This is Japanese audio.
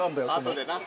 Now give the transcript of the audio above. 後でな。